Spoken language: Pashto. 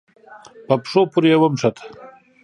په پښو پورې يې ونښت.